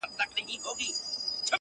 هر غاټول يې زما له وينو رنګ اخيستی،